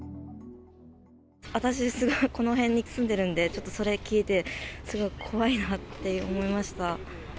私、この辺に住んでるんで、ちょっとそれ聞いて、すごく怖いなって思いました。